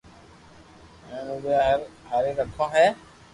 ھين اوني ھو جاري رکو ھي